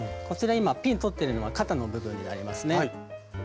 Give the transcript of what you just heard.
こちら今ピンとってるのは肩の部分になりますね。